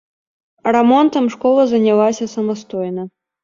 Рамонтам школа занялася самастойна.